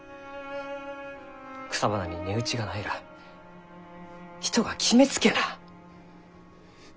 草花に値打ちがないらあ人が決めつけな！